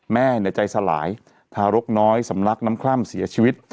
แม่ใจสลายทารกน้อยสำลักน้ำคล่ำเสียชีวิต